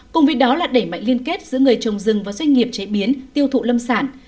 cùng với đó là đẩy mạnh liên kết giữa người trồng rừng và doanh nghiệp chế biến tiêu thụ lâm sản